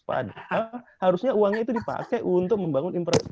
padahal harusnya uangnya itu dipakai untuk membangun infrastruktur